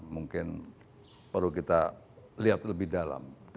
mungkin perlu kita lihat lebih dalam